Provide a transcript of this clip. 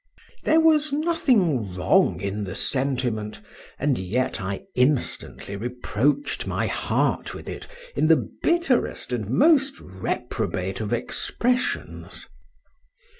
There was nothing wrong in the sentiment; and yet I instantly reproached my heart with it in the bitterest and most reprobate of expressions.